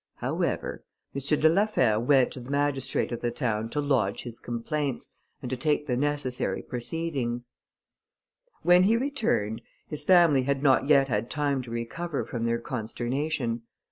However, M. de la Fère went to the magistrate of the town to lodge his complaints, and to take the necessary proceedings. When he returned, his family had not yet had time to recover from their consternation.